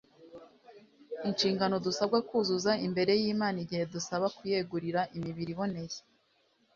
inshingano dusabwa kuzuza imbere y'imana igihe idusaba kuyegurira imibiri iboneye